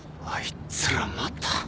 あいつらまた。